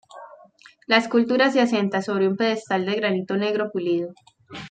La escultura se asienta sobre un pedestal de granito negro pulido.